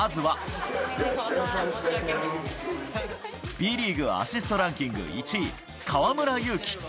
Ｂリーグアシストランキング１位、河村勇輝。